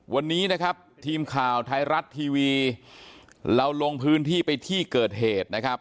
วันนี้นะครับทีมข่าวไทยรัฐทีวีเราลงพื้นที่ไปที่เกิดเหตุนะครับ